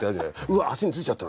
「うわ足についちゃった」